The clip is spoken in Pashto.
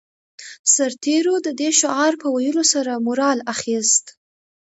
سرتېرو د دې شعار په ويلو سره مورال اخیست